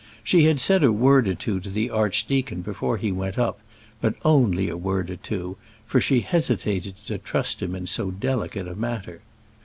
She had said a word or two to the archdeacon before he went up, but only a word or two, for she hesitated to trust him in so delicate a matter.